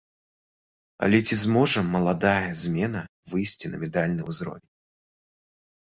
Але ці зможа маладая змена выйсці на медальны ўзровень?